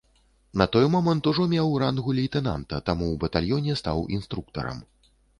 На той момант ужо меў рангу лейтэнанта, таму ў батальёне стаў інструктарам.